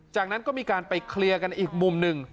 จากนั้นก็มีการไปเคลียร์กันอีกมุมหนึ่ง